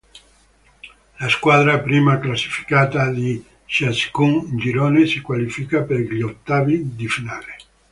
La squadra prima classificata di ciascun girone si qualifica per gli ottavi di finale.